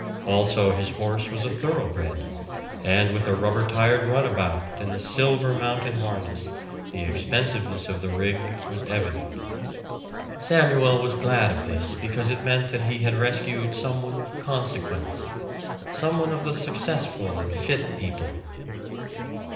Also, his horse was a thoroughbred; and with a rubber tired runabout and a silver mounted harness, the expensiveness of the rig was evident. Samuel was glad of this, because it meant that he had rescued some one of consequence some one of the successful and fit people.